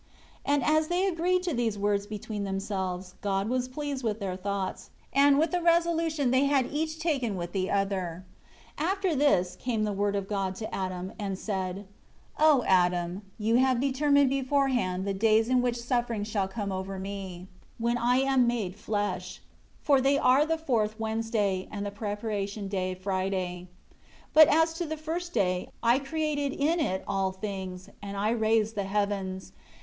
21 And as they agreed to these words between themselves, God was pleased with their thoughts, and with the resolution they had each taken with the other. 22 After this, came the Word of God to Adam, and said, "O Adam, you have determined beforehand the days in which sufferings shall come over Me, when I am made flesh; for they are the fourth Wednesday, and the preparation day Friday. 23 But as to the first day, I created in it all things, and I raised the heavens.